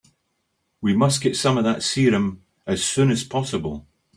We must get some of that serum as soon as possible.